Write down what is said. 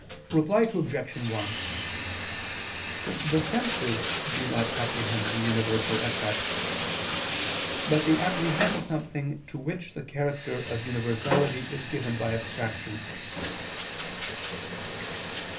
Reply Obj. 1: The senses do not apprehend the universal, as such: but they apprehend something to which the character of universality is given by abstraction.